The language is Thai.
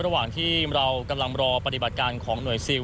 ระหว่างที่เรากำลังรอปฏิบัติการของหน่วยซิล